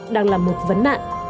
đang là một vấn nạn